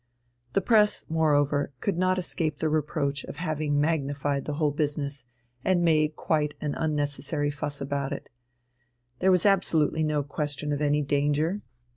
The press, moreover, could not escape the reproach of having magnified the whole business, and made a quite unnecessary fuss about it. There was absolutely no question of any danger.